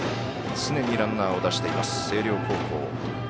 常にランナーを出しています星稜高校。